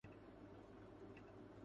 باقی سرزمینوں کو چھوڑیں۔